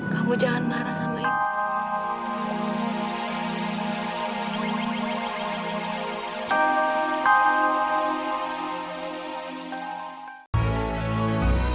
kamu jangan marah sama ibu